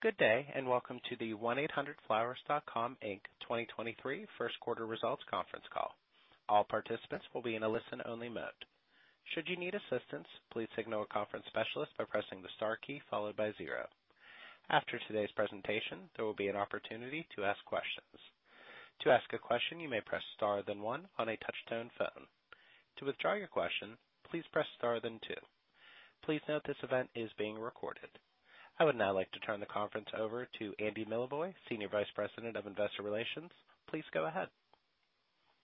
Good day, and welcome to the 1-800-FLOWERS.COM, Inc. 2023 first quarter results conference call. All participants will be in a listen-only mode. Should you need assistance, please signal a conference specialist by pressing the star key followed by zero. After today's presentation, there will be an opportunity to ask questions. To ask a question, you may press star then one on a touch-tone phone. To withdraw your question, please press star then two. Please note this event is being recorded. I would now like to turn the conference over to Andy Milevoj, Senior Vice President of Investor Relations. Please go ahead.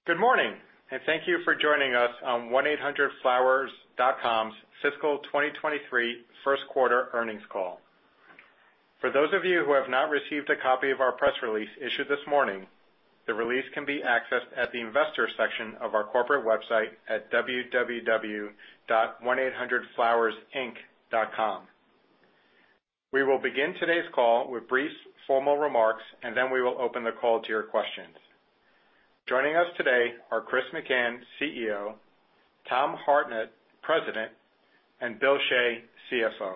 Good morning, and thank you for joining us on 1-800-FLOWERS.COM's fiscal 2023 first quarter earnings call. For those of you who have not received a copy of our press release issued this morning, the release can be accessed at the investor section of our corporate website at www.1800flowers.com. We will begin today's call with brief formal remarks, and then we will open the call to your questions. Joining us today are Chris McCann, CEO, Tom Hartnett, President, and Bill Shea, CFO.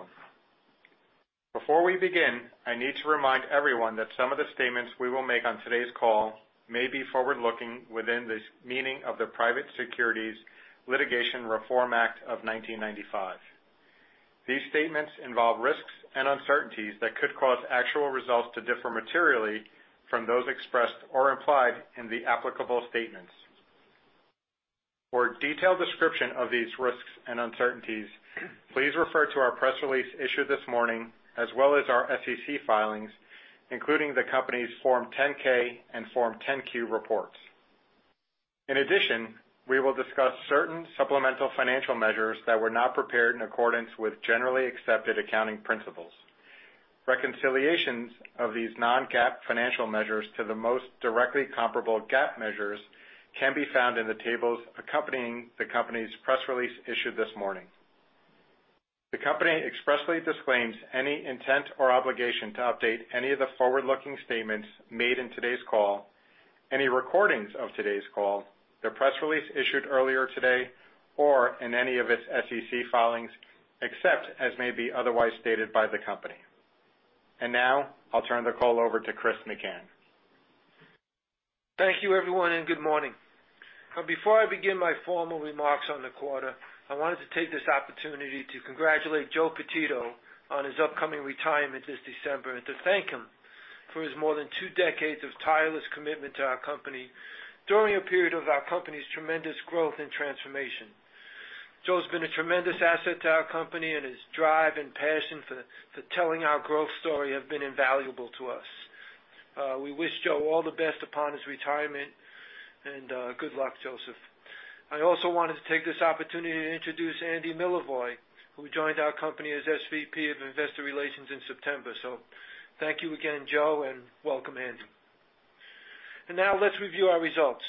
Before we begin, I need to remind everyone that some of the statements we will make on today's call may be forward-looking within the meaning of the Private Securities Litigation Reform Act of 1995. These statements involve risks and uncertainties that could cause actual results to differ materially from those expressed or implied in the applicable statements. For a detailed description of these risks and uncertainties, please refer to our press release issued this morning, as well as our SEC filings, including the company's Form 10-K and Form 10-Q reports. In addition, we will discuss certain supplemental financial measures that were not prepared in accordance with generally accepted accounting principles. Reconciliations of these non-GAAP financial measures to the most directly comparable GAAP measures can be found in the tables accompanying the company's press release issued this morning. The company expressly disclaims any intent or obligation to update any of the forward-looking statements made in today's call, any recordings of today's call, the press release issued earlier today, or in any of its SEC filings, except as may be otherwise stated by the company. Now, I'll turn the call over to Chris McCann. Thank you, everyone, and good morning. Now before I begin my formal remarks on the quarter, I wanted to take this opportunity to congratulate Joe Pititto on his upcoming retirement this December, and to thank him for his more than two decades of tireless commitment to our company during a period of our company's tremendous growth and transformation. Joe has been a tremendous asset to our company, and his drive and passion for telling our growth story have been invaluable to us. We wish Joe all the best upon his retirement and good luck, Joseph. I also wanted to take this opportunity to introduce Andy Milevoj, who joined our company as SVP of Investor Relations in September. So thank you again, Joe, and welcome, Andy. Now let's review our results.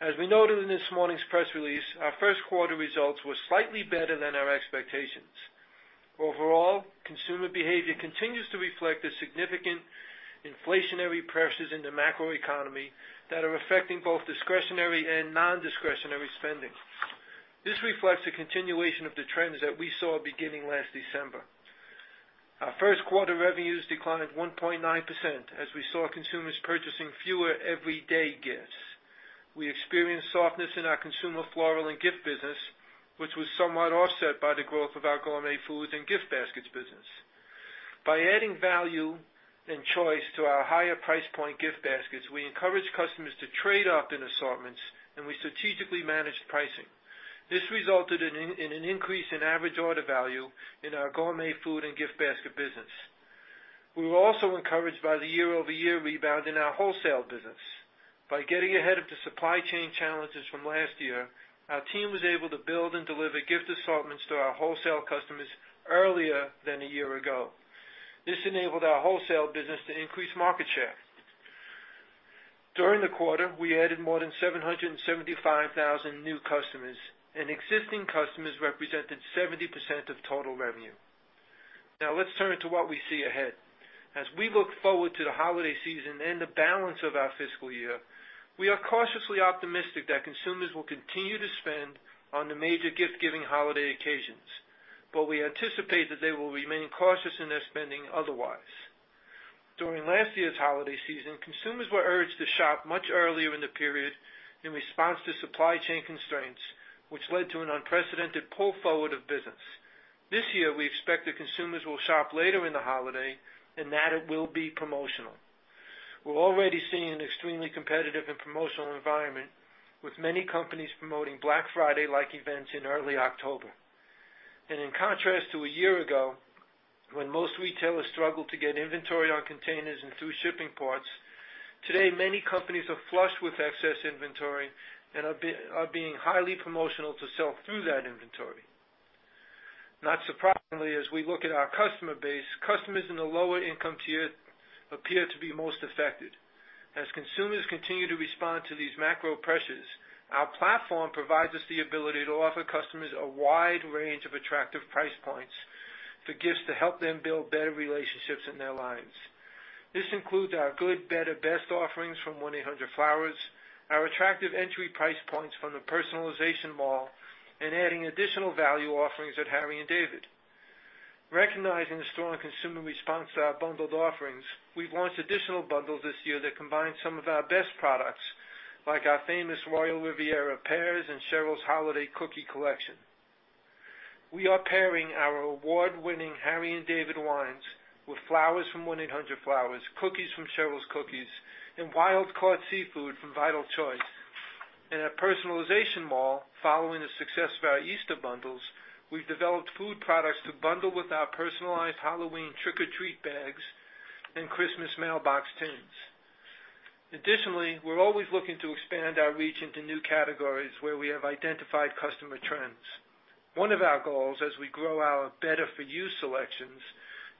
As we noted in this morning's press release, our first quarter results were slightly better than our expectations. Overall, consumer behavior continues to reflect the significant inflationary pressures in the macroeconomy that are affecting both discretionary and non-discretionary spending. This reflects the continuation of the trends that we saw beginning last December. Our first quarter revenues declined 1.9% as we saw consumers purchasing fewer everyday gifts. We experienced softness in our Consumer Floral and Gifts business, which was somewhat offset by the growth of our Gourmet Foods & Gift Baskets business. By adding value and choice to our higher price point gift baskets, we encouraged customers to trade up in assortments, and we strategically managed pricing. This resulted in an increase in average order value in our Gourmet Foods & Gift Baskets business. We were also encouraged by the year-over-year rebound in our wholesale business. By getting ahead of the supply chain challenges from last year, our team was able to build and deliver gift assortments to our wholesale customers earlier than a year ago. This enabled our wholesale business to increase market share. During the quarter, we added more than 775,000 new customers, and existing customers represented 70% of total revenue. Now let's turn to what we see ahead. As we look forward to the holiday season and the balance of our fiscal year, we are cautiously optimistic that consumers will continue to spend on the major gift-giving holiday occasions, but we anticipate that they will remain cautious in their spending otherwise. During last year's holiday season, consumers were urged to shop much earlier in the period in response to supply chain constraints, which led to an unprecedented pull forward of business. This year, we expect that consumers will shop later in the holiday and that it will be promotional. We're already seeing an extremely competitive and promotional environment, with many companies promoting Black Friday-like events in early October. In contrast to a year ago, when most retailers struggled to get inventory on containers and through shipping ports, today, many companies are flush with excess inventory and are being highly promotional to sell through that inventory. Not surprisingly, as we look at our customer base, customers in the lower income tier appear to be most affected. As consumers continue to respond to these macro pressures, our platform provides us the ability to offer customers a wide range of attractive price points for gifts to help them build better relationships in their lives. This includes our good, better, best offerings from 1-800-FLOWERS.COM, our attractive entry price points from PersonalizationMall.com, and adding additional value offerings at Harry & David. Recognizing the strong consumer response to our bundled offerings, we've launched additional bundles this year that combine some of our best products, like our famous Royal Riviera Pears and Cheryl's Holiday Cookie Collection. We are pairing our award-winning Harry & David wines with flowers from 1-800-FLOWERS.COM, cookies from Cheryl's Cookies, and wild-caught seafood from Vital Choice. In our PersonalizationMall.com, following the success of our Easter bundles, we've developed food products to bundle with our personalized Halloween trick or treat bags and Christmas mailbox tins. Additionally, we're always looking to expand our reach into new categories where we have identified customer trends. One of our goals as we grow our better for you selections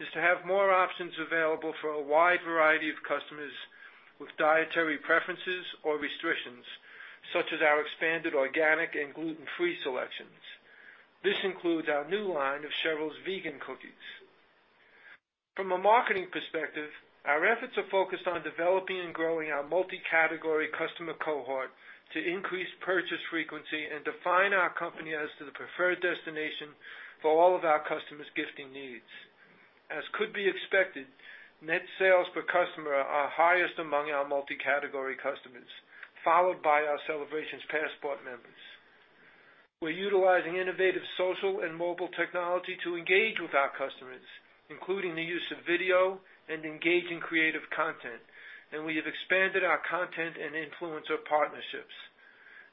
is to have more options available for a wide variety of customers with dietary preferences or restrictions, such as our expanded organic and gluten-free selections. This includes our new line of Cheryl's Vegan Cookies. From a marketing perspective, our efforts are focused on developing and growing our multi-category customer cohort to increase purchase frequency and define our company as the preferred destination for all of our customers' gifting needs. As could be expected, net sales per customer are highest among our multi-category customers, followed by our Celebrations Passport members. We're utilizing innovative social and mobile technology to engage with our customers, including the use of video and engaging creative content, and we have expanded our content and influencer partnerships.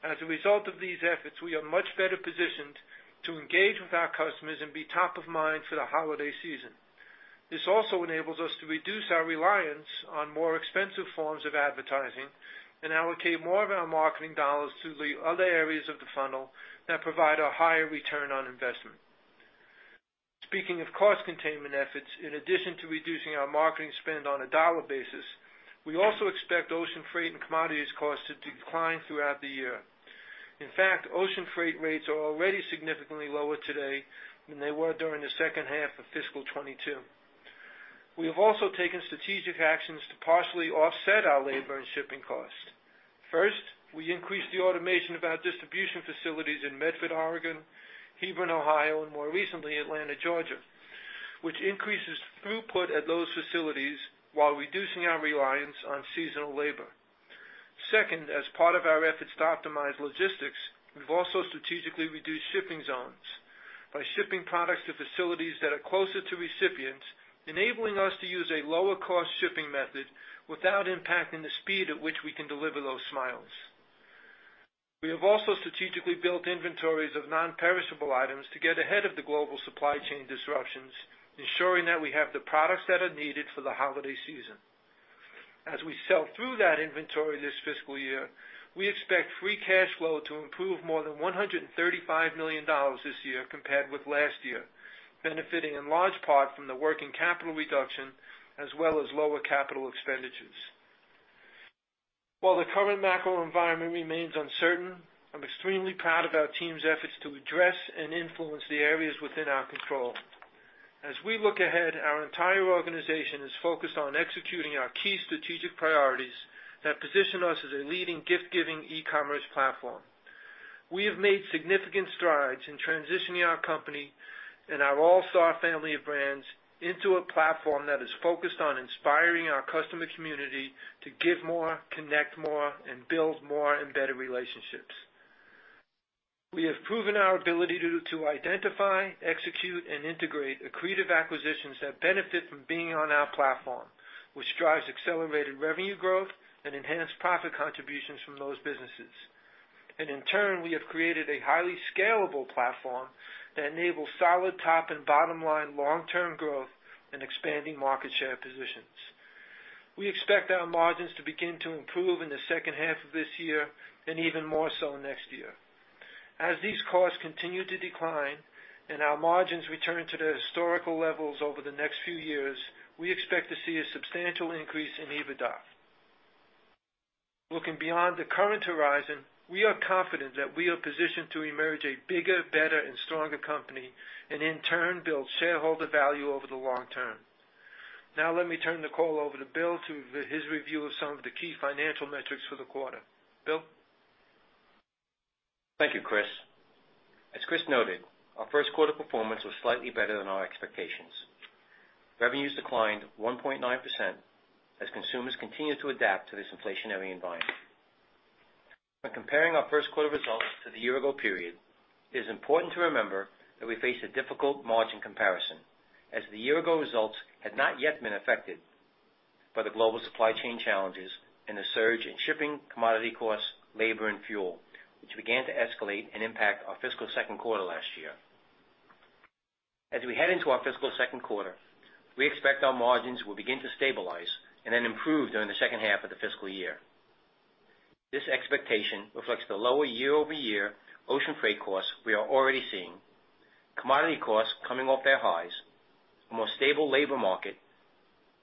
As a result of these efforts, we are much better positioned to engage with our customers and be top of mind for the holiday season. This also enables us to reduce our reliance on more expensive forms of advertising and allocate more of our marketing dollars to the other areas of the funnel that provide a higher return on investment. Speaking of cost containment efforts, in addition to reducing our marketing spend on a dollar basis, we also expect ocean freight and commodities costs to decline throughout the year. In fact, ocean freight rates are already significantly lower today than they were during the second half of fiscal 2022. We have also taken strategic actions to partially offset our labor and shipping costs. First, we increased the automation of our distribution facilities in Medford, Oregon, Hebron, Ohio, and more recently, Atlanta, Georgia, which increases throughput at those facilities while reducing our reliance on seasonal labor. Second, as part of our efforts to optimize logistics, we've also strategically reduced shipping zones by shipping products to facilities that are closer to recipients, enabling us to use a lower-cost shipping method without impacting the speed at which we can deliver those smiles. We have also strategically built inventories of non-perishable items to get ahead of the global supply chain disruptions, ensuring that we have the products that are needed for the holiday season. As we sell through that inventory this fiscal year, we expect free cash flow to improve more than $135 million this year compared with last year, benefiting in large part from the working capital reduction as well as lower capital expenditures. While the current macro environment remains uncertain, I'm extremely proud of our team's efforts to address and influence the areas within our control. As we look ahead, our entire organization is focused on executing our key strategic priorities that position us as a leading gift-giving e-commerce platform. We have made significant strides in transitioning our company and our all-star family of brands into a platform that is focused on inspiring our customer community to give more, connect more, and build more and better relationships. We have proven our ability to identify, execute, and integrate accretive acquisitions that benefit from being on our platform, which drives accelerated revenue growth and enhanced profit contributions from those businesses. In turn, we have created a highly scalable platform that enables solid top and bottom line long-term growth and expanding market share positions. We expect our margins to begin to improve in the second half of this year and even more so next year. As these costs continue to decline and our margins return to their historical levels over the next few years, we expect to see a substantial increase in EBITDA. Looking beyond the current horizon, we are confident that we are positioned to emerge a bigger, better, and stronger company and, in turn, build shareholder value over the long term. Now, let me turn the call over to Bill for his review of some of the key financial metrics for the quarter. Bill? Thank you, Chris. As Chris noted, our first quarter performance was slightly better than our expectations. Revenues declined 1.9% as consumers continued to adapt to this inflationary environment. When comparing our first quarter results to the year-ago period, it is important to remember that we faced a difficult margin comparison, as the year-ago results had not yet been affected by the global supply chain challenges and the surge in shipping, commodity costs, labor, and fuel, which began to escalate and impact our fiscal second quarter last year. As we head into our fiscal second quarter, we expect our margins will begin to stabilize and then improve during the second half of the fiscal year. This expectation reflects the lower year-over-year ocean freight costs we are already seeing, commodity costs coming off their highs, a more stable labor market,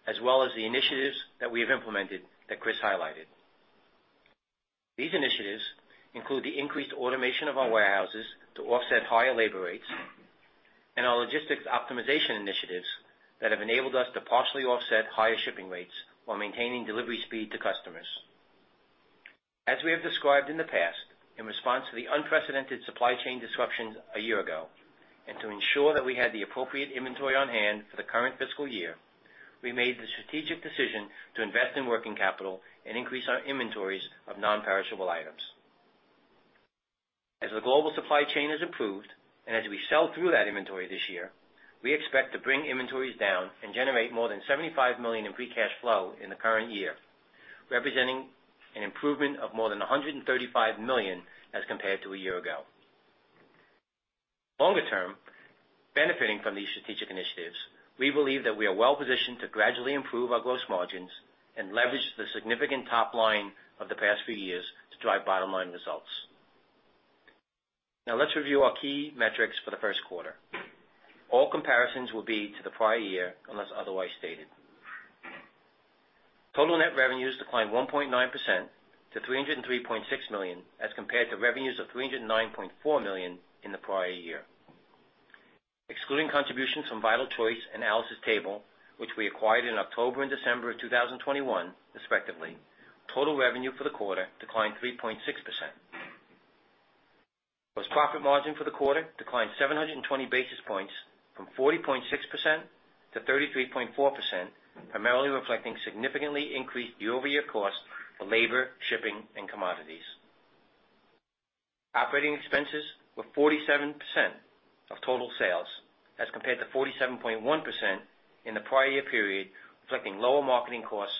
as well as the initiatives that we have implemented that Chris highlighted. These initiatives include the increased automation of our warehouses to offset higher labor rates and our logistics optimization initiatives that have enabled us to partially offset higher shipping rates while maintaining delivery speed to customers. As we have described in the past, in response to the unprecedented supply chain disruptions a year ago, and to ensure that we had the appropriate inventory on hand for the current fiscal year, we made the strategic decision to invest in working capital and increase our inventories of non-perishable items. As the global supply chain has improved, and as we sell through that inventory this year, we expect to bring inventories down and generate more than $75 million in free cash flow in the current year, representing an improvement of more than $135 million as compared to a year ago. Longer term, benefiting from these strategic initiatives, we believe that we are well-positioned to gradually improve our gross margins and leverage the significant top line of the past few years to drive bottom-line results. Now let's review our key metrics for the first quarter. All comparisons will be to the prior year, unless otherwise stated. Total net revenues declined 1.9% to $303.6 million, as compared to revenues of $309.4 million in the prior year. Excluding contributions from Vital Choice and Alice's Table, which we acquired in October and December of 2021 respectively, total revenue for the quarter declined 3.6%. Gross profit margin for the quarter declined 720 basis points from 40.6%-33.4%, primarily reflecting significantly increased year-over-year costs for labor, shipping, and commodities. Operating expenses were 47% of total sales as compared to 47.1% in the prior year period, reflecting lower marketing costs,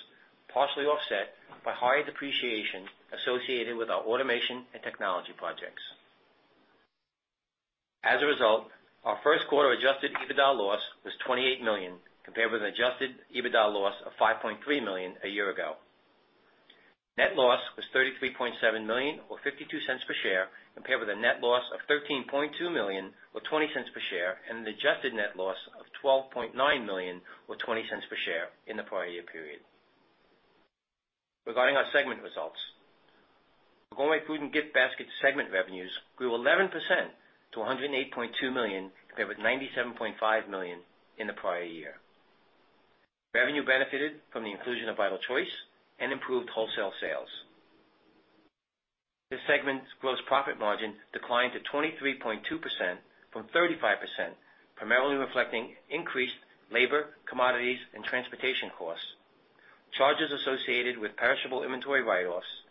partially offset by higher depreciation associated with our automation and technology projects. As a result, our first quarter adjusted EBITDA loss was $28 million, compared with an adjusted EBITDA loss of $5.3 million a year ago. Net loss was $33.7 million or $0.52 per share, compared with a net loss of $13.2 million or $0.20 per share, and an adjusted net loss of $12.9 million or $0.20 per share in the prior year period. Regarding our segment results. The Gourmet Foods & Gift Baskets segment revenues grew 11% to $108.2 million, compared with $97.5 million in the prior year. Revenue benefited from the inclusion of Vital Choice and improved wholesale sales. This segment's gross profit margin declined to 23.2% from 35%, primarily reflecting increased labor, commodities, and transportation costs, charges associated with perishable inventory write-offs,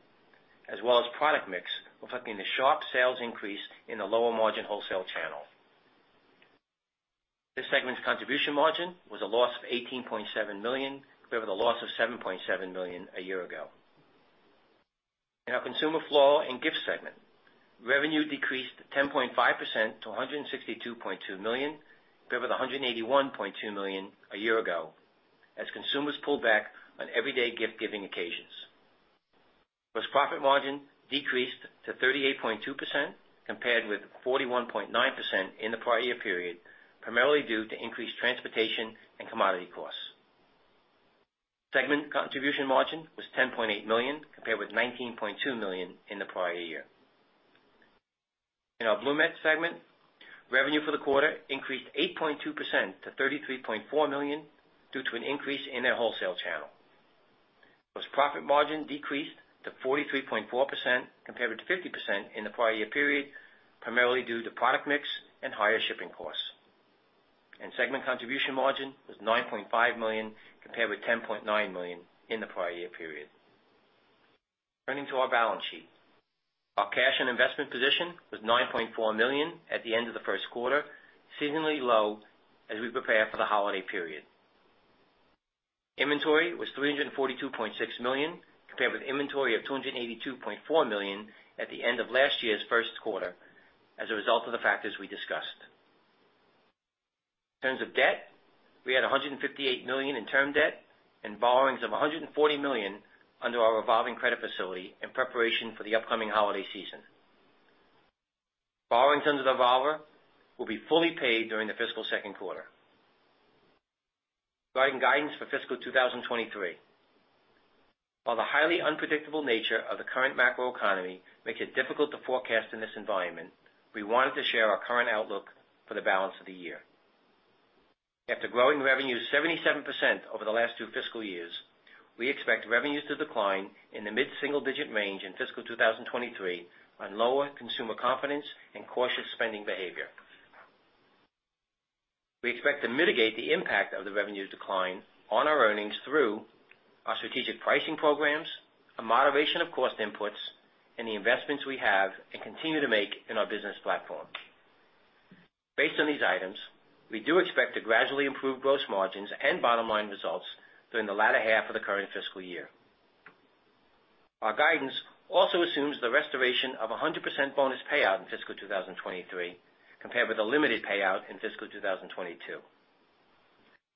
as well as product mix, reflecting the sharp sales increase in the lower-margin wholesale channel. This segment's contribution margin was a loss of $18.7 million, compared with a loss of $7.7 million a year ago. In our Consumer Floral and Gifts segment, revenue decreased 10.5% to $162.2 million, compared with $181.2 million a year ago, as consumers pulled back on everyday gift-giving occasions. Gross profit margin decreased to 38.2% compared with 41.9% in the prior year period, primarily due to increased transportation and commodity costs. Segment contribution margin was $10.8 million compared with $19.2 million in the prior year. In our BloomNet segment, revenue for the quarter increased 8.2% to $33.4 million due to an increase in their wholesale channel. Profit margin decreased to 43.4% compared with 50% in the prior year period, primarily due to product mix and higher shipping costs. Segment contribution margin was $9.5 million compared with $10.9 million in the prior year period. Turning to our balance sheet. Our cash and investment position was $9.4 million at the end of the first quarter, seasonally low as we prepare for the holiday period. Inventory was $342.6 million, compared with inventory of $282.4 million at the end of last year's first quarter as a result of the factors we discussed. In terms of debt, we had $158 million in term debt and borrowings of $140 million under our revolving credit facility in preparation for the upcoming holiday season. Borrowings under the revolver will be fully paid during the fiscal second quarter. Providing guidance for fiscal 2023. While the highly unpredictable nature of the current macroeconomy makes it difficult to forecast in this environment, we wanted to share our current outlook for the balance of the year. After growing revenues 77% over the last two fiscal years, we expect revenues to decline in the mid-single-digit range in fiscal 2023 on lower consumer confidence and cautious spending behavior. We expect to mitigate the impact of the revenue decline on our earnings through our strategic pricing programs, a moderation of cost inputs, and the investments we have and continue to make in our business platform. Based on these items, we do expect to gradually improve gross margins and bottom-line results during the latter half of the current fiscal year. Our guidance also assumes the restoration of 100% bonus payout in fiscal 2023, compared with a limited payout in fiscal 2022.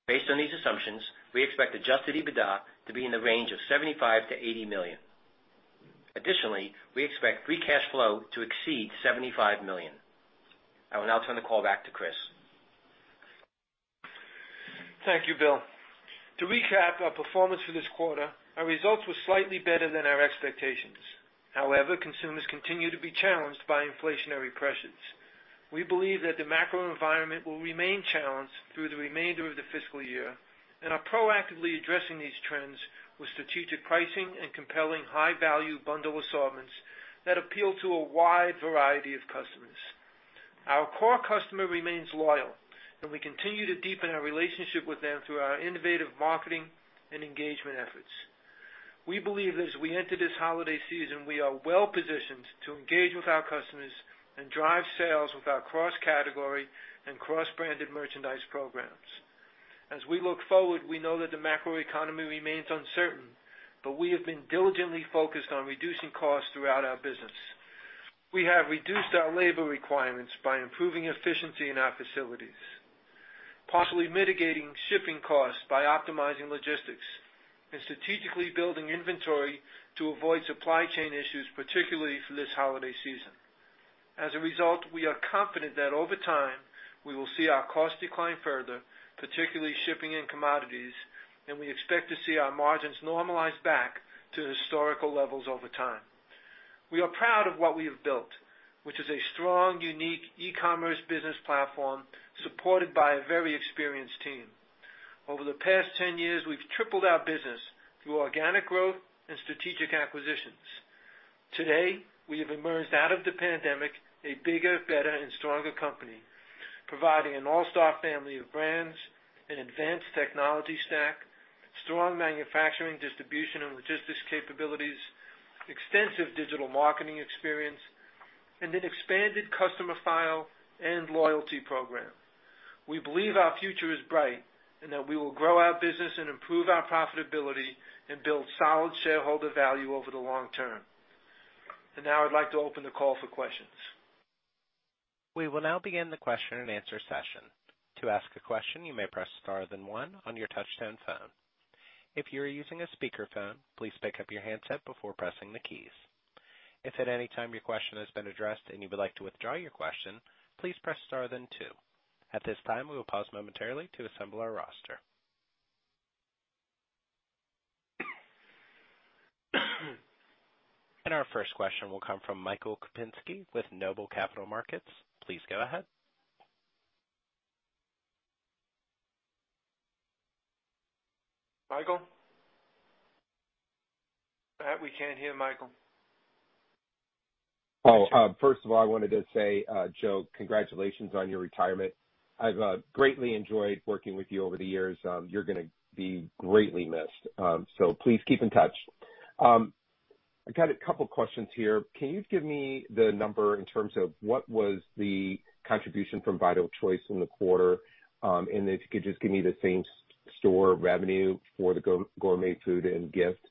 Based on these assumptions, we expect adjusted EBITDA to be in the range of $75 million-$80 million. Additionally, we expect free cash flow to exceed $75 million. I will now turn the call back to Chris. Thank you, Bill. To recap our performance for this quarter, our results were slightly better than our expectations. However, consumers continue to be challenged by inflationary pressures. We believe that the macro environment will remain challenged through the remainder of the fiscal year and are proactively addressing these trends with strategic pricing and compelling high value bundle assortments that appeal to a wide variety of customers. Our core customer remains loyal, and we continue to deepen our relationship with them through our innovative marketing and engagement efforts. We believe as we enter this holiday season, we are well positioned to engage with our customers and drive sales with our cross-category and cross-branded merchandise programs. As we look forward, we know that the macro economy remains uncertain, but we have been diligently focused on reducing costs throughout our business. We have reduced our labor requirements by improving efficiency in our facilities, partially mitigating shipping costs by optimizing logistics, and strategically building inventory to avoid supply chain issues, particularly for this holiday season. As a result, we are confident that over time, we will see our costs decline further, particularly shipping and commodities, and we expect to see our margins normalize back to historical levels over time. We are proud of what we have built, which is a strong, unique e-commerce business platform supported by a very experienced team. Over the past 10 years, we've tripled our business through organic growth and strategic acquisitions. Today, we have emerged out of the pandemic a bigger, better, and stronger company, providing an all-star family of brands, an advanced technology stack, strong manufacturing, distribution, and logistics capabilities, extensive digital marketing experience, and an expanded customer file and loyalty program. We believe our future is bright and that we will grow our business and improve our profitability and build solid shareholder value over the long term. Now I'd like to open the call for questions. We will now begin the question and answer session. To ask a question, you may press star then one on your touchtone phone. If you are using a speakerphone, please pick up your handset before pressing the keys. If at any time your question has been addressed and you would like to withdraw your question, please press star then two. At this time, we will pause momentarily to assemble our roster. Our first question will come from Michael Kupinski with Noble Capital Markets. Please go ahead. Michael? We can't hear Michael. Oh, first of all, I wanted to say, Joe, congratulations on your retirement. I've greatly enjoyed working with you over the years. You're gonna be greatly missed, so please keep in touch. I got a couple of questions here. Can you give me the number in terms of what was the contribution from Vital Choice in the quarter? And then if you could just give me the same store revenue for the Gourmet Foods & Gift Baskets.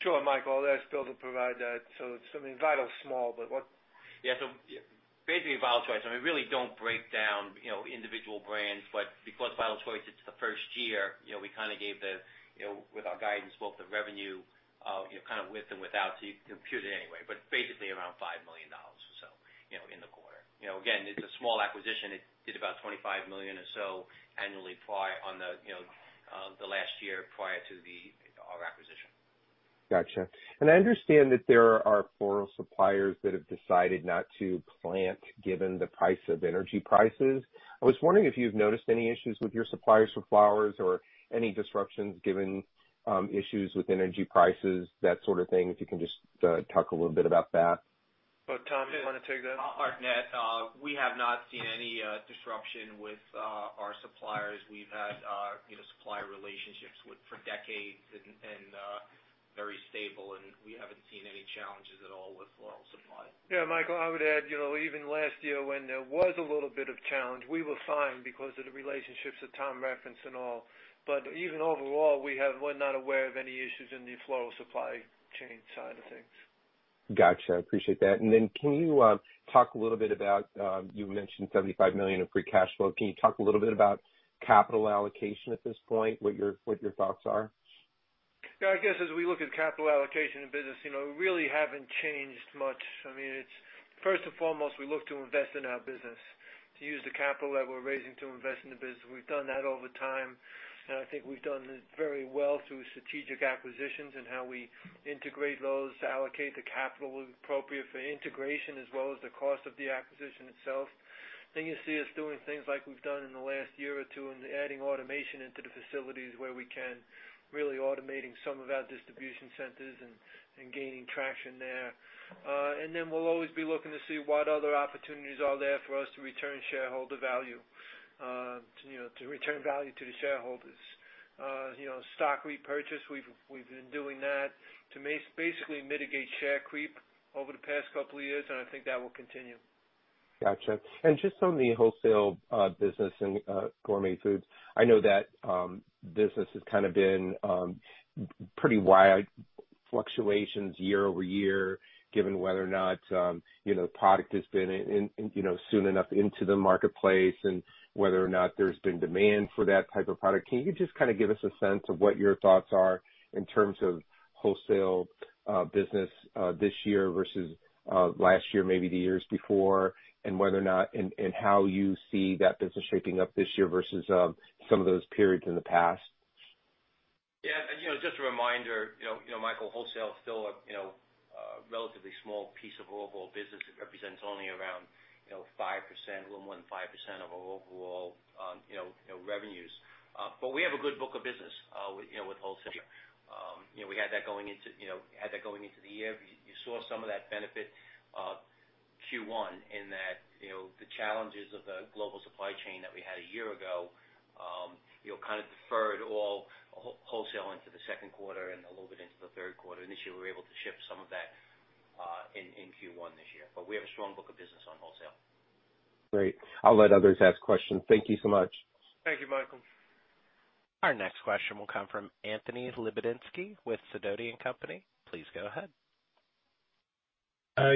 Sure, Michael. I'll ask Bill to provide that. It's, I mean, Vital's small, but what- Yeah. Basically, Vital Choice, I mean, we really don't break down, you know, individual brands, but because Vital Choice, it's the first year, you know, we kinda gave the, you know, with our guidance, both the revenue, you know, kind of with and without, so you can compute it anyway, but basically around $5 million or so, you know, in the quarter. You know, again, it's a small acquisition. It did about $25 million or so annually, you know, the last year prior to our acquisition. Gotcha. I understand that there are floral suppliers that have decided not to plant given the price of energy prices. I was wondering if you've noticed any issues with your suppliers for flowers or any disruptions given issues with energy prices, that sort of thing. If you can just talk a little bit about that. Oh, Tom, do you wanna take that? We have not seen any disruption with our suppliers. We've had you know, supplier relationships with for decades and very stable, and we haven't seen any challenges at all with floral supply. Yeah, Michael, I would add, you know, even last year when there was a little bit of challenge, we were fine because of the relationships that Tom referenced and all. Even overall, we're not aware of any issues in the floral supply chain side of things. Gotcha. I appreciate that. Can you talk a little bit about you mentioned $75 million of free cash flow. Can you talk a little bit about capital allocation at this point, what your thoughts are? Yeah, I guess as we look at capital allocation in business, you know, we really haven't changed much. I mean, it's first and foremost, we look to invest in our business, to use the capital that we're raising to invest in the business. We've done that over time, and I think we've done very well through strategic acquisitions and how we integrate those to allocate the capital appropriate for integration as well as the cost of the acquisition itself. You see us doing things like we've done in the last year or two and adding automation into the facilities where we can, really automating some of our distribution centers and gaining traction there. We'll always be looking to see what other opportunities are there for us to return shareholder value, to you know, to return value to the shareholders. You know, stock repurchase, we've been doing that to basically mitigate share creep over the past couple of years, and I think that will continue. Gotcha. Just on the wholesale business and gourmet foods, I know that business has kinda been pretty wide fluctuations year-over-year, given whether or not you know the product has been in you know soon enough into the marketplace and whether or not there's been demand for that type of product. Can you just kinda give us a sense of what your thoughts are in terms of wholesale business this year versus last year, maybe the years before, and whether or not and how you see that business shaping up this year versus some of those periods in the past? Yeah, just a reminder, you know, Michael, wholesale is still a relatively small piece of overall business. It represents only around 5%, a little more than 5% of our overall revenues. But we have a good book of business with wholesale. You know, we had that going into the year. You saw some of that benefit in Q1 in that the challenges of the global supply chain that we had a year ago kind of deferred all wholesale into the second quarter and a little bit into the third quarter. This year, we were able to ship some of that in Q1 this year. We have a strong book of business on wholesale. Great. I'll let others ask questions. Thank you so much. Thank you, Michael. Our next question will come from Anthony Lebiedzinski with Sidoti & Company. Please go ahead.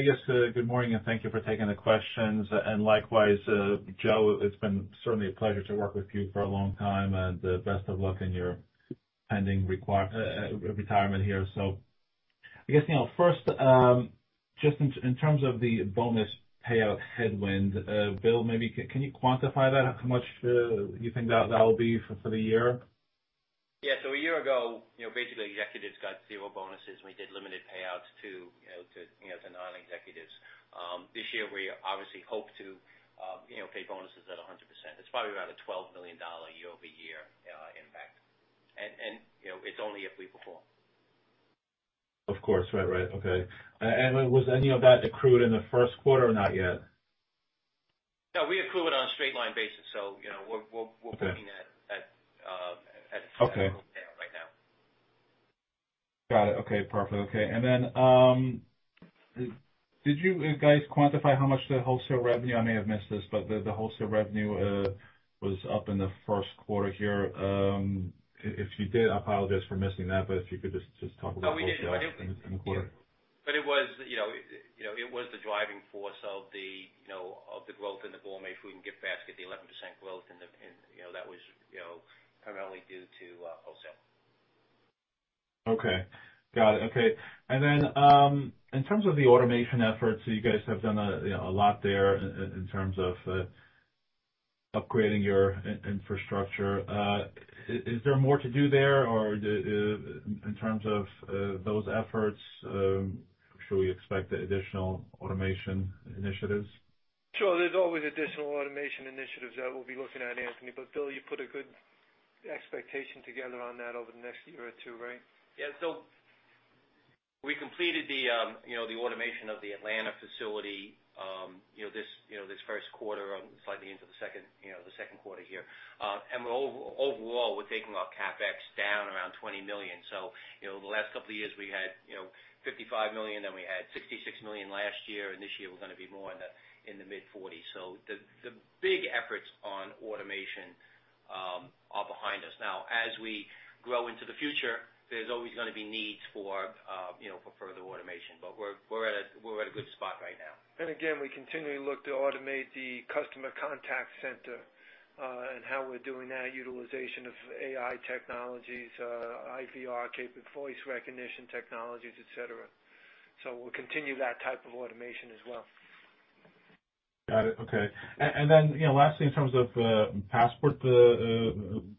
Yes, good morning, and thank you for taking the questions. Likewise, Joe, it's been certainly a pleasure to work with you for a long time, and best of luck in your pending retirement here. I guess, you know, first, just in terms of the bonus payout headwind, Bill, maybe can you quantify that? How much you think that will be for the year? Yeah. A year ago, you know, basically executives got zero bonuses, and we did limited payouts to, you know, non-executives. This year, we obviously hope to, you know, pay bonuses at 100%. It's probably around a $12 million year-over-year impact. You know, it's only if we perform. Of course. Right. Okay. Was any of that accrued in the first quarter or not yet? No, we accrue it on a straight line basis. You know, we're. Okay. -looking at, uh, at- Okay. the full payout right now. Got it. Okay. Perfect. Okay. Did you guys quantify how much the wholesale revenue was up in the first quarter here? I may have missed this, but if you did, I apologize for missing that. But if you could just talk about wholesale in the quarter. It was, you know, the driving force of the growth in the Gourmet Foods & Gift Baskets, the 11% growth that was, you know, primarily due to wholesale. Okay. Got it. Okay. In terms of the automation efforts, you guys have done, you know, a lot there in terms of upgrading your infrastructure. Is there more to do there or, in terms of those efforts, should we expect additional automation initiatives? Sure. There's always additional automation initiatives that we'll be looking at, Anthony. Bill, you put a good expectation together on that over the next year or two, right? Yeah. We completed the you know, the automation of the Atlanta facility, you know, this first quarter, slightly into the second, you know, the second quarter here. We're overall taking our CapEx down around $20 million. You know, the last couple of years we had you know, $55 million, then we had $66 million last year, and this year we're gonna be more in the mid-40s. The big efforts on automation are behind us. Now, as we grow into the future, there's always gonna be needs for you know, for further automation. We're at a good spot right now. Again, we continually look to automate the customer contact center, and how we're doing that utilization of AI technologies, IVR-capable voice recognition technologies, et cetera. We'll continue that type of automation as well. Got it. Okay. Then, you know, lastly, in terms of Passport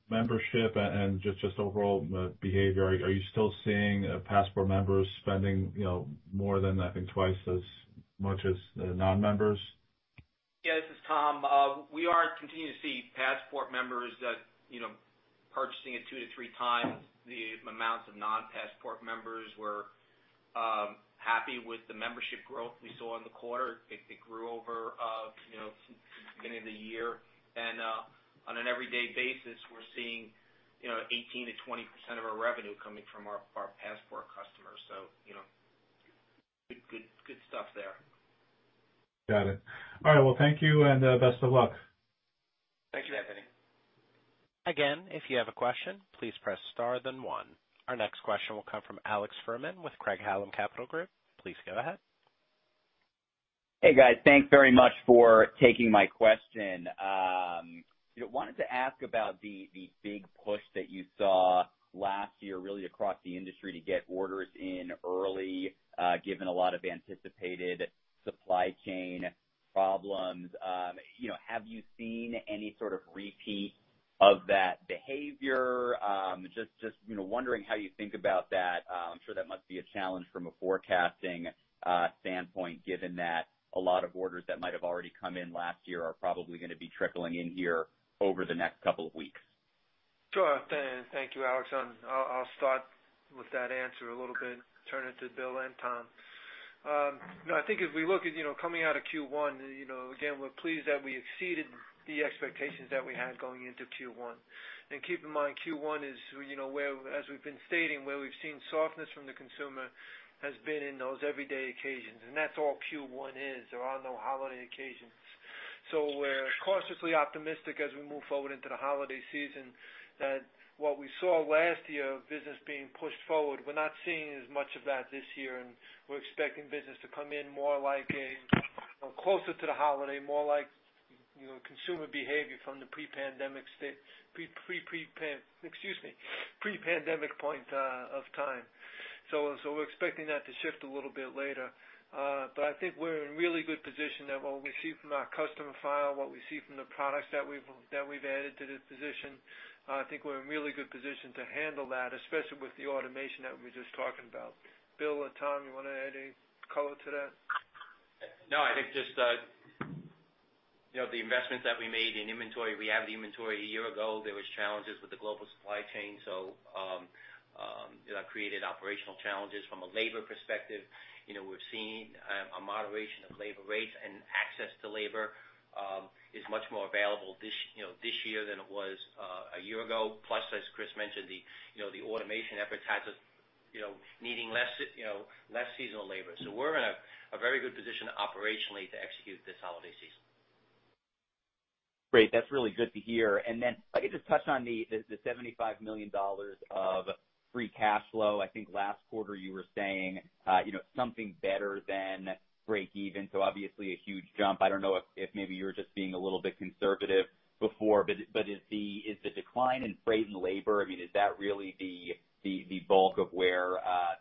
membership and just overall behavior, are you still seeing Passport members spending, you know, more than, I think, twice as much as non-members? Yeah, this is Tom. We are continuing to see Passport members that, you know, purchasing at 2-3 times the amounts of non-Passport members. We're happy with the membership growth we saw in the quarter. It grew over, you know, beginning of the year. On an every day basis, we're seeing, you know, 18%-20% of our revenue coming from our Passport customers. You know, good stuff there. Got it. All right. Well, thank you and best of luck. Thank you, Anthony. Again, if you have a question, please press star then one. Our next question will come from Alex Fuhrman with Craig-Hallum Capital Group. Please go ahead. Hey, guys. Thanks very much for taking my question. You know, wanted to ask about the big push that you saw last year really across the industry to get orders in early, given a lot of anticipated supply chain problems. You know, have you seen any sort of repeat of that behavior? Just you know, wondering how you think about that. I'm sure that must be a challenge from a forecasting standpoint, given that a lot of orders that might have already come in last year are probably gonna be trickling in here over the next couple of weeks. Thank you, Alex, and I'll start with that answer a little bit, turn it to Bill and Tom. No, I think as we look at, you know, coming out of Q1, you know, again, we're pleased that we exceeded the expectations that we had going into Q1. Keep in mind, Q1 is, you know, where, as we've been stating, where we've seen softness from the consumer has been in those everyday occasions. That's all Q1 is. There are no holiday occasions. We're cautiously optimistic as we move forward into the holiday season that what we saw last year of business being pushed forward, we're not seeing as much of that this year, and we're expecting business to come in more like a, you know, closer to the holiday, more like, you know, consumer behavior from the pre-pandemic. Pre-pandemic point of time. We're expecting that to shift a little bit later. But I think we're in really good position that what we see from our customer file, what we see from the products that we've added to this position, I think we're in really good position to handle that, especially with the automation that we were just talking about. Bill or Tom, you wanna add any color to that? No, I think just, you know, the investments that we made in inventory, we have the inventory. A year ago, there was challenges with the global supply chain, so that created operational challenges from a labor perspective. You know, we're seeing a moderation of labor rates and access to labor is much more available this, you know, this year than it was a year ago. Plus, as Chris mentioned, you know, the automation efforts has us needing less seasonal labor. We're in a very good position operationally to execute this holiday season. Great. That's really good to hear. Then if I could just touch on the $75 million of free cash flow. I think last quarter you were saying, you know, something better than break even, so obviously a huge jump. I don't know if maybe you were just being a little bit conservative before, but is the decline in freight and labor, I mean, is that really the bulk of where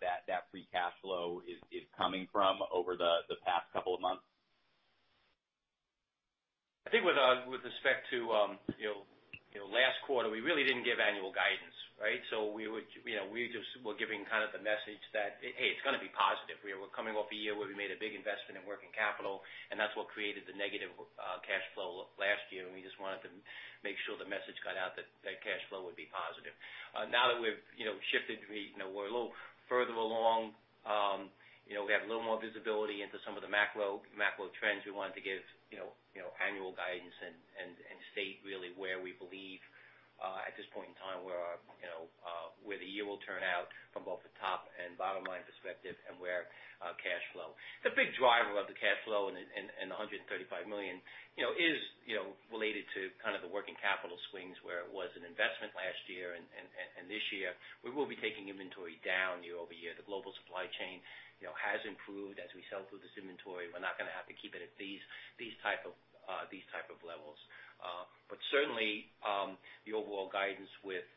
that free cash flow is coming from over the past couple of months? I think with respect to you know last quarter we really didn't give annual guidance right We would you know we just were giving kind of the message that hey it's gonna be positive We are coming off a year where we made a big investment in working capital and that's what created the negative cash flow last year and we just wanted to make sure the message got out that that cash flow would be positive. Now that we've, you know, shifted, we, you know, we're a little further along, you know, we have a little more visibility into some of the macro trends, we wanted to give, you know, annual guidance and state really where we believe at this point in time, where our, you know, where the year will turn out from both the top and bottom line perspective and where cash flow. The big driver of the cash flow and the $135 million, you know, is, you know, related to kind of the working capital swings, where it was an investment last year and this year, we will be taking inventory down year-over-year. The global supply chain, you know, has improved. As we sell through this inventory, we're not gonna have to keep it at these type of levels. But certainly, the overall guidance with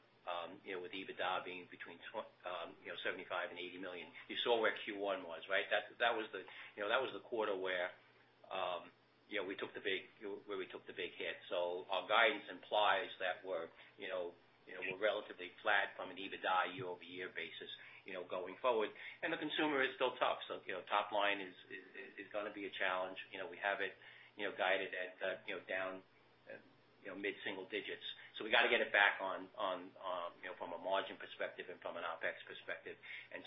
EBITDA being between $75 million and $80 million. You saw where Q1 was, right? That was the quarter where we took the big hit. Our guidance implies that we're relatively flat from an EBITDA year-over-year basis going forward. The consumer is still tough, so top line is gonna be a challenge. We have it guided at down mid-single digits. We gotta get it back on, you know, from a margin perspective and from an OpEx perspective.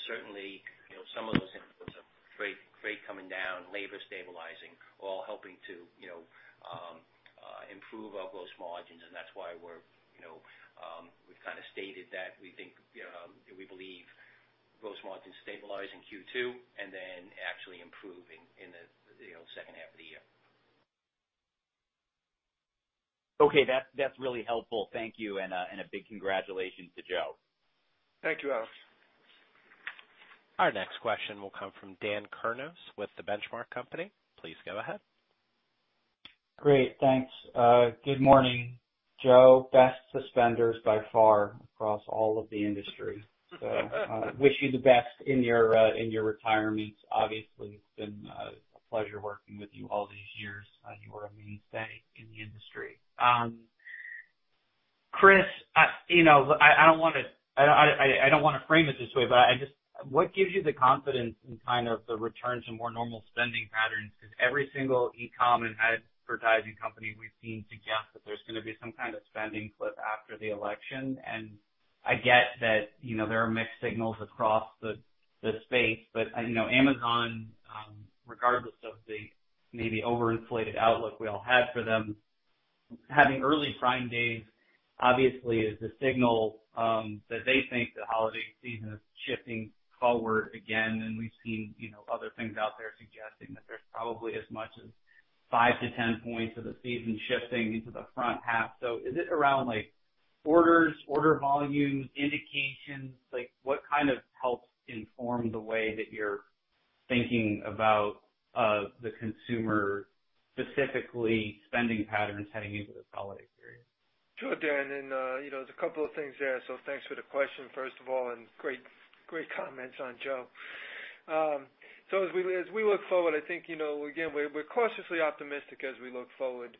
Certainly, you know, some of those inputs of freight coming down, labor stabilizing, all helping to, you know, improve our gross margins, and that's why we've kind of stated that we think we believe gross margins stabilize in Q2 and then actually improving in the, you know, second half of the year. Okay. That's really helpful. Thank you, and a big congratulations to Joe. Thank you, Alex. Our next question will come from Daniel Kurnos with The Benchmark Company. Please go ahead. Great, thanks. Good morning, Joe. Best suspenders by far across all of the industry. Wish you the best in your retirement. Obviously, it's been a pleasure working with you all these years. You are a mainstay in the industry. Chris, I don't wanna frame it this way, but what gives you the confidence in kind of the return to more normal spending patterns? Because every single e-com and advertising company we've seen suggests that there's gonna be some kind of spending clip after the election. I get that, you know, there are mixed signals across the space, but, you know, Amazon, regardless of the maybe overinflated outlook we all had for them, having early Prime days obviously is a signal that they think the holiday season is shifting forward again. We've seen, you know, other things out there suggesting that there's probably as much as 5%-10% of the season shifting into the front half. Is it around, like, orders, order volumes, indications? Like, what kind of helps inform the way that you're thinking about the consumer, specifically spending patterns heading into the holiday period? Sure, Dan, there's a couple of things there, so thanks for the question, first of all, and great comments on Joe. As we look forward, I think, again, we're cautiously optimistic as we look forward.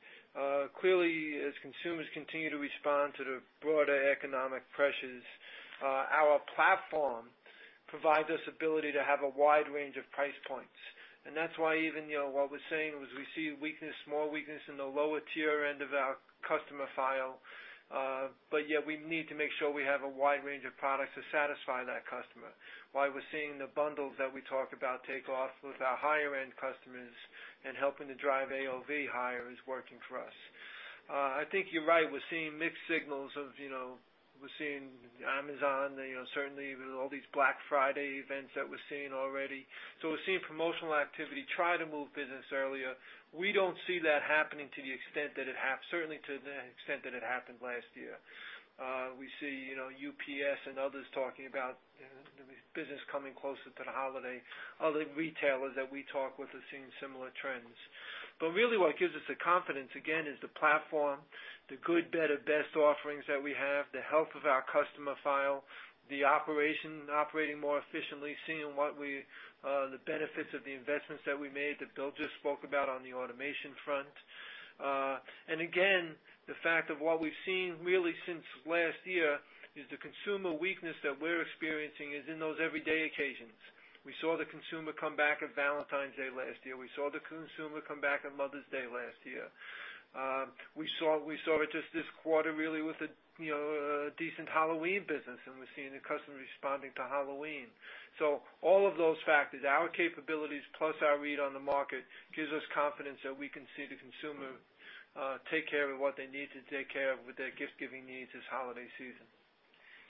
Clearly, as consumers continue to respond to the broader economic pressures, our platform provides us the ability to have a wide range of price points. That's why even what we're saying is we see weakness, more weakness in the lower tier end of our customer file, but yet we need to make sure we have a wide range of products to satisfy that customer. Why we're seeing the bundles that we talk about take off with our higher end customers and helping to drive AOV higher is working for us. I think you're right. We're seeing mixed signals of, you know, we're seeing Amazon, you know, certainly with all these Black Friday events that we're seeing already. We're seeing promotional activity try to move business earlier. We don't see that happening, certainly to the extent that it happened last year. We see, you know, UPS and others talking about business coming closer to the holiday. Other retailers that we talk with are seeing similar trends. Really what gives us the confidence, again, is the platform, the good, better, best offerings that we have, the health of our customer file, the operation operating more efficiently, seeing the benefits of the investments that we made that Bill just spoke about on the automation front. Again, the fact of what we've seen really since last year is the consumer weakness that we're experiencing is in those everyday occasions. We saw the consumer come back on Valentine's Day last year. We saw the consumer come back on Mother's Day last year. We saw it just this quarter really with a, you know, a decent Halloween business, and we're seeing the customer responding to Halloween. All of those factors, our capabilities plus our read on the market, gives us confidence that we can see the consumer take care of what they need to take care of with their gift-giving needs this holiday season.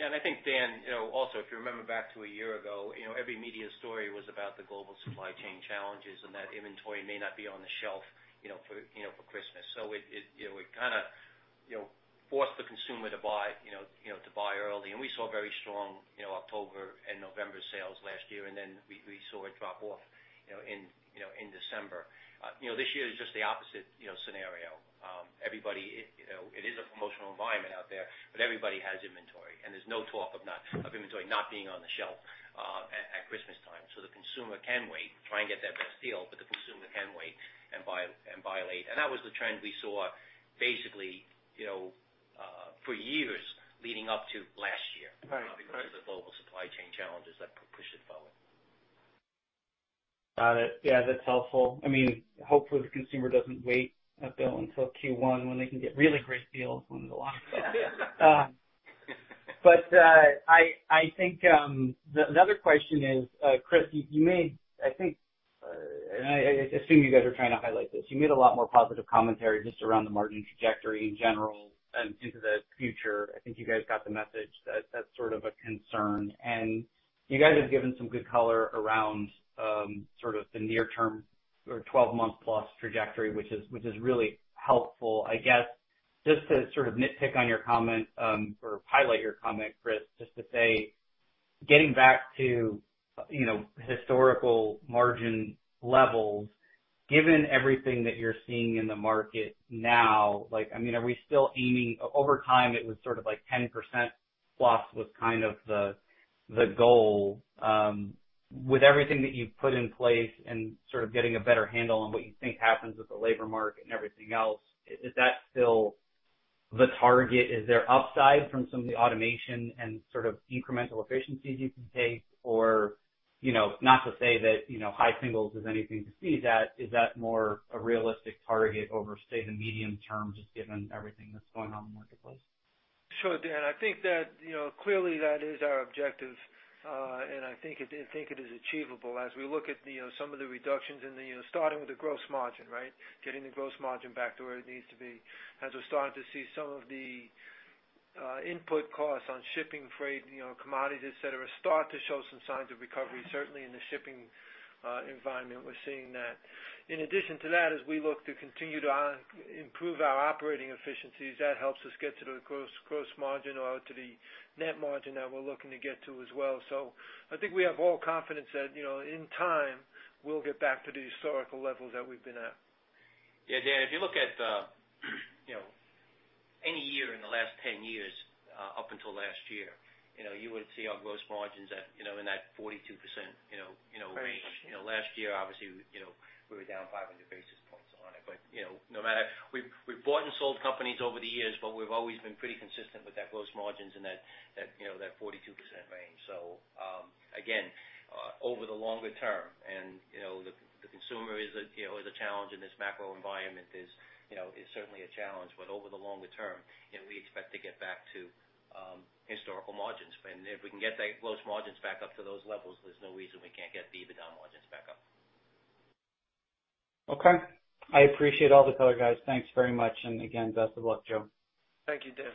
Yeah. I think, Dan, you know, also, if you remember back to a year ago, you know, every media story was about the global supply chain challenges and that inventory may not be on the shelf, you know, for Christmas. It you know, it kinda you know, forced the consumer to buy, you know, to buy early. We saw very strong, you know, October and November sales last year, and then we saw it drop off, you know, in December. You know, this year is just the opposite, you know, scenario. Everybody, it you know, it is a promotional environment out there, but everybody has inventory, and there's no talk of inventory not being on the shelf, at Christmas time. The consumer can wait, try and get that best deal, but the consumer can wait and buy, and buy late. That was the trend we saw basically, you know, for years leading up to last year. Right. Right. Because of the global supply chain challenges that pushed it forward. Got it. Yeah, that's helpful. I mean, hopefully, the consumer doesn't wait, Bill, until Q1 when they can get really great deals online. But I think another question is, Chris, you made, I think, and I assume you guys are trying to highlight this. You made a lot more positive commentary just around the margin trajectory in general and into the future. I think you guys got the message that that's sort of a concern. You guys have given some good color around sort of the near term or 12-month plus trajectory, which is really helpful. I guess just to sort of nitpick on your comment, or highlight your comment, Chris, just to say getting back to, you know, historical margin levels, given everything that you're seeing in the market now, like, I mean, are we still aiming? Over time, it was sort of like 10%+ was kind of the goal. With everything that you've put in place and sort of getting a better handle on what you think happens with the labor market and everything else, is that still the target? Is there upside from some of the automation and sort of incremental efficiencies you can take? Or, you know, not to say that, you know, high singles is anything to sneeze at, is that more a realistic target over, say, the medium term, just given everything that's going on in the marketplace? Sure, Dan. I think that, you know, clearly that is our objective, and I think it is achievable as we look at, you know, some of the reductions in the starting with the gross margin, right? Getting the gross margin back to where it needs to be. As we're starting to see some of the input costs on shipping, freight, you know, commodities, et cetera, start to show some signs of recovery. Certainly, in the shipping environment, we're seeing that. In addition to that, as we look to continue to improve our operating efficiencies, that helps us get to the gross margin or to the net margin that we're looking to get to as well. I think we have all confidence that, you know, in time, we'll get back to the historical levels that we've been at. Yeah, Dan, if you look at, you know, any year in the last 10 years, up until last year, you know, you would see our gross margins at, you know, in that 42%, you know, range. Right. You know, last year, obviously, you know, we were down 500 basis points on it. We've bought and sold companies over the years, but we've always been pretty consistent with our gross margins in that, you know, that 42% range. Again, over the longer term, you know, the consumer is a, you know, is a challenge and this macro environment is, you know, is certainly a challenge. Over the longer term we expect to get back to historical margins. If we can get the gross margins back up to those levels, there's no reason we can't get the EBITDA margins back up. Okay. I appreciate all the color, guys. Thanks very much. Again, best of luck, Joe. Thank you, Dan.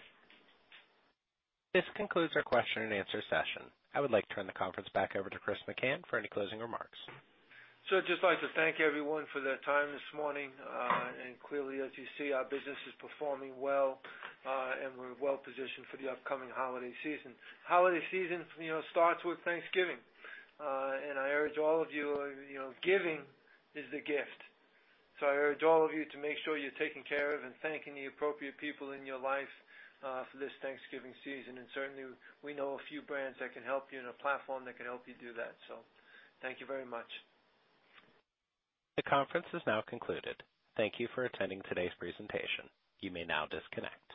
This concludes our question and answer session. I would like to turn the conference back over to Chris McCann for any closing remarks. I'd just like to thank everyone for their time this morning. Clearly, as you see, our business is performing well, and we're well-positioned for the upcoming holiday season. Holiday season, you know, starts with Thanksgiving. I urge all of you know, giving is the gift. I urge all of you to make sure you're taking care of and thanking the appropriate people in your life for this Thanksgiving season. Certainly, we know a few brands that can help you and a platform that can help you do that. Thank you very much. The conference is now concluded. Thank you for attending today's presentation. You may now disconnect.